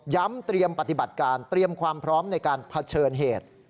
เตรียมปฏิบัติการเตรียมความพร้อมในการเผชิญเหตุ